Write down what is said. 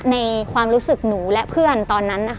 ในความรู้สึกหนูและเพื่อนตอนนั้นนะคะ